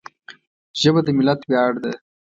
ژبه د ملت ویاړ ده